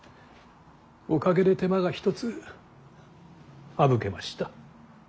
おかげで手間が一つ省けました。